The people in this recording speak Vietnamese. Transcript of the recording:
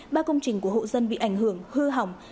ba công trình của hộ dân bị ảnh hưởng hư hỏng